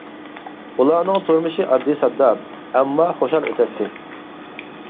ئۇلارنىڭ تۇرمۇشى ئاددىي-ساددا، ئەمما خۇشال ئۆتەتتى.